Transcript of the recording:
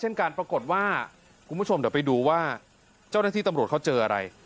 เช่นกันปรากฏว่าคุณผู้ชมเดี๋ยวไปดูว่าเจ้าหน้าที่ตำรวจเขาเจออะไร